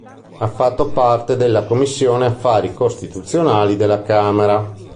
Ha fatto parte della Commissione Affari Costituzionali della Camera.